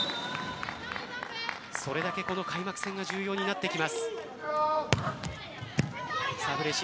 それだけこの開幕戦が重要になってきます。